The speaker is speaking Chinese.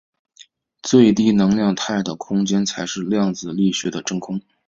最低能量态的空间才是量子力学的真空。